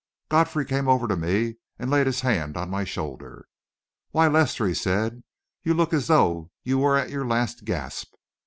Godfrey came over to me and laid his hand on my shoulder. "Why, Lester," he said, "you look as though you were at your last gasp."